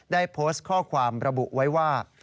ได้โพสต์ข้อความระบุไว้ว่า